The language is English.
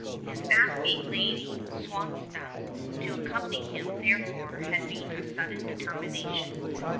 His asking Lady Swansdown to accompany him therefore had been a sudden determination.